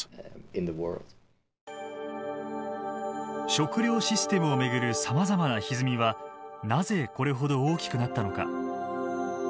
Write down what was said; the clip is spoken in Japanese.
食料システムを巡るさまざまなひずみはなぜこれほど大きくなったのか。